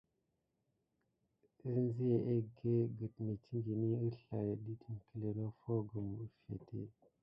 Enziya egge ged nettiŋgini əslay dət iŋkle noffo gum əffete.